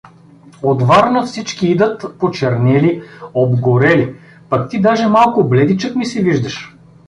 От Варна всички идат почернели, обгорели, пък ти даже малко бледичък ми се виждаш.